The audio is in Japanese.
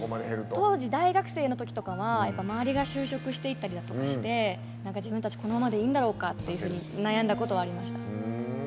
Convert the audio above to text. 当時、大学生のときとかは周りが就職していったりだとかして自分たちこのままでいいんだろうかっていうふうに悩んだことはありました。